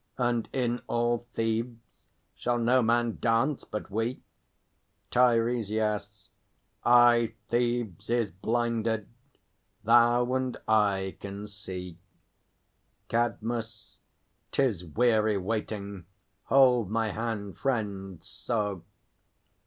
And in all Thebes shall no man dance but we? TEIRESIAS. Aye, Thebes is blinded. Thou and I can see. CADMUS. 'Tis weary waiting; hold my hand, friend; so.